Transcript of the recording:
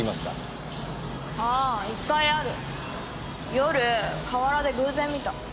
夜河原で偶然見た。